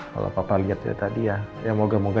kondisi mereka semakin membaik kalo papa liat ya tadi ya